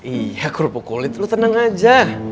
iya kerupuk kulit lo tenang aja